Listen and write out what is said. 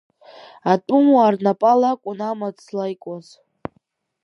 Атәымуаа рнапала акәын амаҭ злаикуаз.